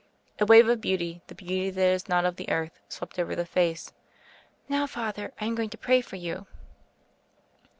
A wave of beauty, the beauty that is not of the earth, swept over the face. "Now, Father, I am going to pray for you."